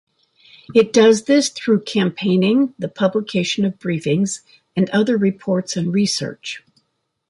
It does this through campaigning, the publication of briefings and other reports and research.